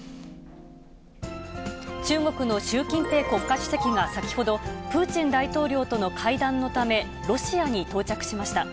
中国の習近平国家主席が先ほど、プーチン大統領との会談のため、ロシアに到着しました。